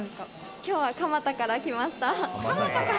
今日は蒲田から来ました。